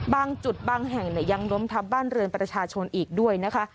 บางจุดบางแห่งยังล้มทับบ้านเรือนประชาชนอีกด้วยนะคะ